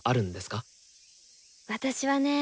私はね